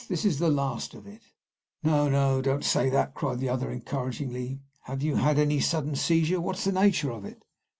This is the last of it!" "No, no; don't say that," cried the other, encouragingly. "Have you had any sudden seizure? What is the nature of it?"